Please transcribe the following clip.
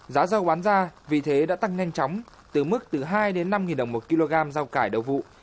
giá rau bán ra vì thế đã tăng nhanh chóng từ mức từ hai năm đồng một kg rau cải đầu vụ